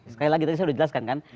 sekali lagi tadi saya sudah jelaskan kan